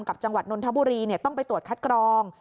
จังหวัดนนทบุรีต้องไปตรวจคัดกรอง